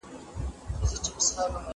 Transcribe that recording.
موږ باید یو بل ته بخښنه وکړو.